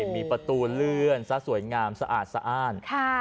มีประตูเลื่อนซะสวยงามสะอาดสะอ้าน